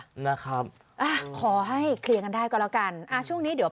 ใช่ค่ะขอให้เคลียร์กันได้ก่อนแล้วกัน